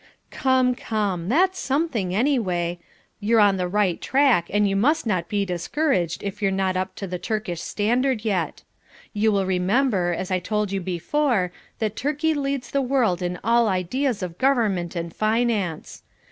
"Come, come, that's something anyway. You're on the right track, and you must not be discouraged if you're not up to the Turkish standard yet. You must remember, as I told you before, that Turkey leads the world in all ideas of government and finance.